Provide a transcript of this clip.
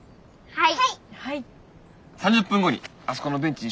はい！